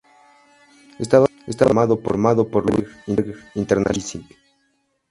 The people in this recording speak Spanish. Estaba conformado por "Louis Berger International Inc.